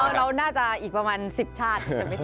เราน่าจะอีกประมาณ๑๐ชาติ